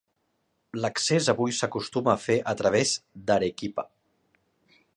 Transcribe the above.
L'accés avui s'acostuma a fer a través d'Arequipa.